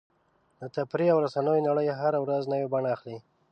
د تفریح او رسنیو نړۍ هره ورځ نوې بڼه اخلي.